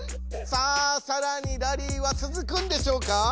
さあさらにラリーはつづくんでしょうか？